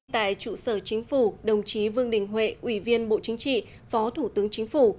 tại trụ sở chính phủ đồng chí vương đình huệ ủy viên bộ chính trị phó thủ tướng chính phủ